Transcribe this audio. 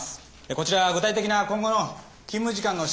こちら具体的な今後の勤務時間の資料です。